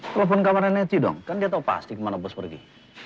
telepon kamarnya nettie dong kan dia tau pasti kemana bos pergi